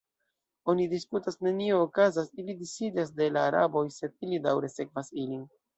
Oni diskutas, nenio okazas, ili disiĝas de la araboj, sed ili daŭre sekvas ilin.